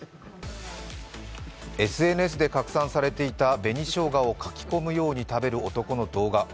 ＳＮＳで拡散されていた紅しょうがをかき込むように食べる男の動画。